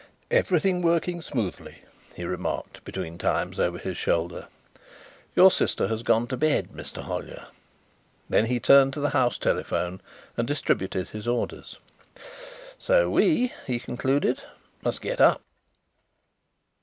"Everything working smoothly," he remarked between times over his shoulder. "Your sister has gone to bed, Mr. Hollyer." Then he turned to the house telephone and distributed his orders. "So we," he concluded, "must get up."